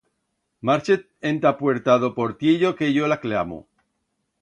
Marche ent'a puerta d'o Portiello, que yo la clamo.